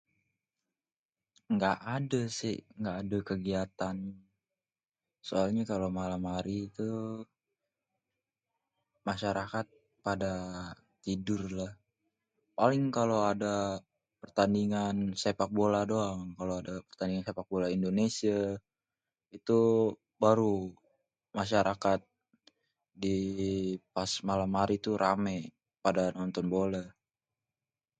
Gak adé sih ga adé kegiatan, soalnya kalo malem hari itu masyarakat pada tidur lah, paling kalo ada pertandingan sepak bola doang, kalo ada pertandingan sepak bola indonesie itu baru masyarakat di... pas malem hari tuh rame pada nonton bolé.